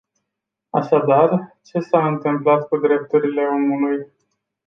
Așadar, ce s-a întâmplat cu drepturile omului?